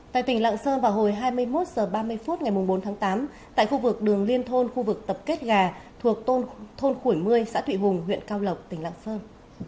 tại tỉnh lạng sơn vào hồi hai mươi một h ba mươi phút ngày bốn tháng tám tại khu vực đường liên thôn khu vực tập kết gà thuộc thôn khuổi một mươi xã thụy hùng huyện cao lộc tỉnh lạng sơn